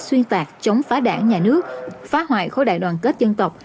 xuyên tạc chống phá đảng nhà nước phá hoại khối đại đoàn kết dân tộc